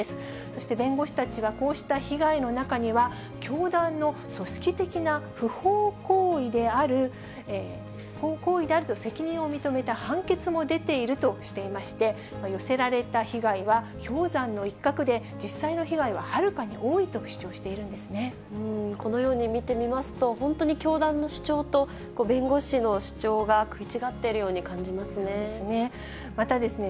そして弁護士たちは、こうした被害の中には、教団の組織的な不法行為であると責任を認めた判決も出ているとしていまして、寄せられた被害は、氷山の一角で、実際の被害ははるこのように見てみますと、本当に教団の主張と、弁護士の主張が食い違っているように感じますね。